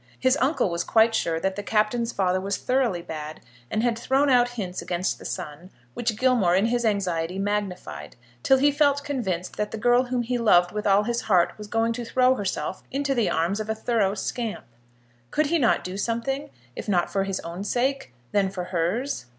His uncle was quite sure that the Captain's father was thoroughly bad, and had thrown out hints against the son, which Gilmore in his anxiety magnified till he felt convinced that the girl whom he loved with all his heart was going to throw herself into the arms of a thorough scamp. Could he not do something, if not for his own sake, then for hers?